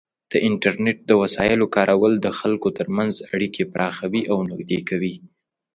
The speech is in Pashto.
د انټرنیټ د وسایلو کارول د خلکو ترمنځ اړیکې پراخوي او نږدې کوي.